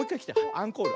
アンコール。